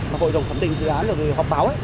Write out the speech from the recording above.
và hội đồng khẩn tình dự án và học báo